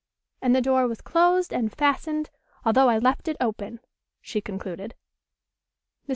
"And the door was closed and fastened, although I left it open," she concluded. Mrs.